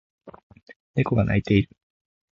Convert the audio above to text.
猫が鳴いている